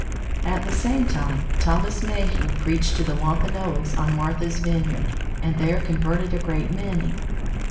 At the same time, Thomas Mayhew preached to the Wampanoags on Martha's Vineyard, and there converted a great many.